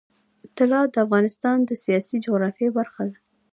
طلا د افغانستان د سیاسي جغرافیه برخه ده.